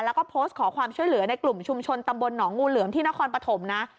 แล้วก็โพสต์ขอความช่วยเหลือในกลุ่มชุมชนตำบลหนองงูเหลือมที่นครปฐมนะ